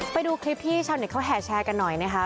ไปดูคลิปที่ชาวเน็ตเขาแห่แชร์กันหน่อยนะคะ